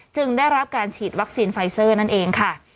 ได้รับการฉีดวัคซีนไฟเซอร์นั่นเองค่ะ